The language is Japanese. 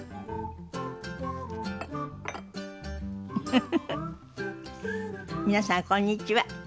フフフフ皆さんこんにちは。